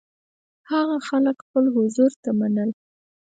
هغه خلک خپل حضور ته منل.